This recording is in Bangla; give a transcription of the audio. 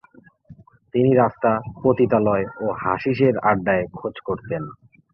তিনি রাস্তা, পতিতালয় ও হাশিশের আড্ডায় খোঁজ করতেন।